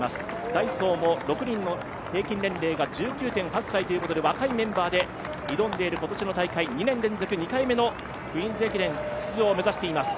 ダイソーも６人の平均年齢が低く、若いメンバーで挑んでいる今年の大会、２年連続２回目のクイーンズ駅伝出場を目指しています。